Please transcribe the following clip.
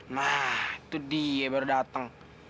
nah itu dia baru datang